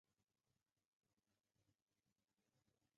该物种的模式产地在江苏南京。